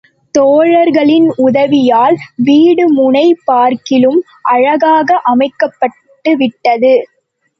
தோழர்களின் உதவியால் வீடு முன்னைப் பார்க்கிலும் அழகாக அமைக்கப்பட்டுவிட்டது.